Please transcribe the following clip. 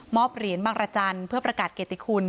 เหรียญบางรจันทร์เพื่อประกาศเกติคุณ